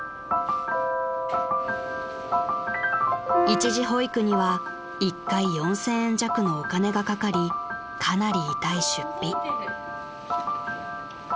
［一時保育には一回４，０００円弱のお金がかかりかなり痛い出費］